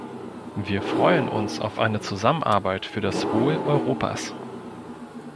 Wir freuen uns auf eine Zusammenarbeit für das Wohl Europas.